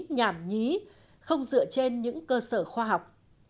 nhảm nhí không dựa trên những cơ sở khoa học